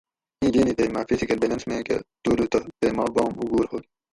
ایں جیِنی تے مہ فزیکل بیلنس می کہ تولو تہ تے ما بام اوگور ھوگ